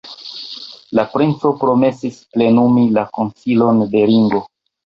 La princo promesis plenumi la konsilon de Ringo.